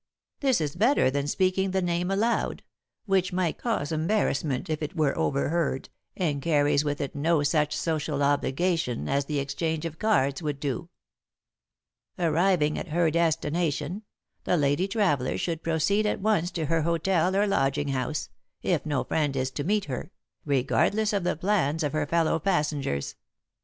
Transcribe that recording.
This is better than speaking the name aloud, which might cause embarrassment if it were overheard, and carries with it no such social obligation as the exchange of cards would do. "'Arriving at her destination, the lady traveller should proceed at once to her hotel or lodging house, if no friend is to meet her, regardless of the plans of her fellow passengers.